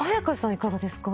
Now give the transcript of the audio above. いかがですか？